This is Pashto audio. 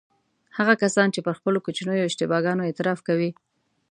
هغه کسان چې پر خپلو کوچنیو اشتباه ګانو اعتراف کوي.